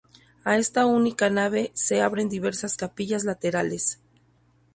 A esta única nave se abren diversas capillas laterales.